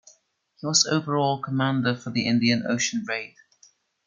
He was overall commander for the Indian Ocean Raid.